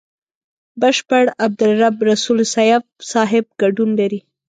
بشپړ عبدالرب رسول سياف صاحب ګډون لري.